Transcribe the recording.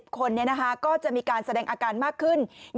คนก็จะมีการแสดงอาการมากขึ้น